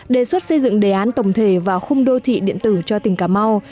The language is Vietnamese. đề xuất xây dựng đề án tổng thể vào khung đô thị điện tử cho tỉnh cà mau